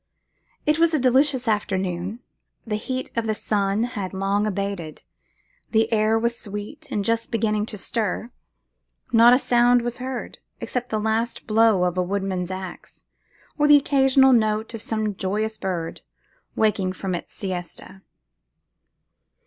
It was a delicious afternoon: the heat of the sun had long abated; the air was sweet and just beginning to stir; not a sound was heard, except the last blow of the woodman's axe, or the occasional note of some joyous bird waking from its siesta.